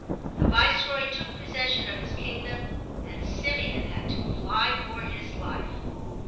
The Viceroy took possession of his kingdom and Simeon had to fly for his life.